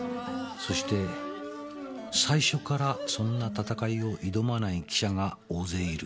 「そして最初からそんな戦いを挑まない記者が大勢いる」